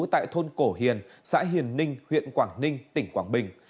tại thôn cổ hiền xã hiền ninh huyện quảng ninh tỉnh quảng bình